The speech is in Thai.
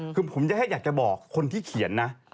คือผมจะแค่อยากจะบอกคนที่เขียนนะ